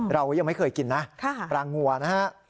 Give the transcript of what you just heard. เรายังไม่เคยกินนะปลางัวนะฮะ